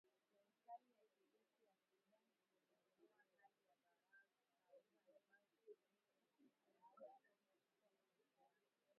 Serikali ya kijeshi ya Sudan imeondoa hali ya dharura ambayo iliwekwa baada ya kuchukua madaraka